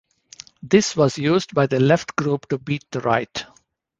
This was used by the left group to beat the right.